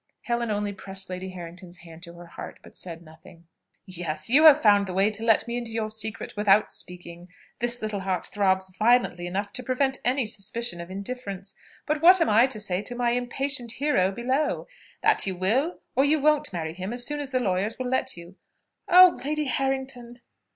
Helen only pressed Lady Harrington's hand to her heart, but said nothing. "Yes, you have found the way to let me into your secret, without speaking. This little heart throbs violently enough to prevent any suspicion of indifference. But what am I to say to my impatient hero below? That you will, or you won't marry him, as soon as the lawyers will let you?" "Oh! Lady Harrington!"